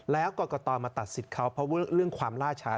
แล้วกรกตมาตัดสิทธิ์เขาเพราะว่าเรื่องความล่าช้า